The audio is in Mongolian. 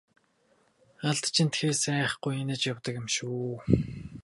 Алдаж эндэхээс айхгүй инээж явдаг юм шүү!